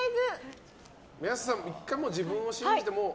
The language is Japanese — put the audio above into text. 安さん、１回自分を信じて。